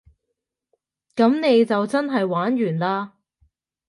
噉你就真係玩完嘞